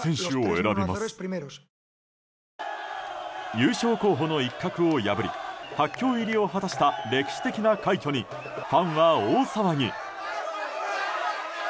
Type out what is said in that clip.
優勝候補の一角を破り８強入りを果たした歴史的な快挙にファンは大騒ぎ。